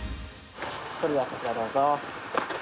それではこちらどうぞ。